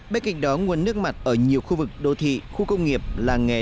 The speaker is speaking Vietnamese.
bên cạnh đó nguồn nước mặt ở nhiều khu vực đô thị khu công nghiệp làng nghề